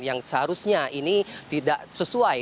yang seharusnya ini tidak sesuai